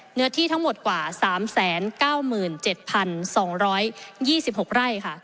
เนื้อที่ทั้งหมดกว่า๓๙๗๒๒๖ไร่ค่ะ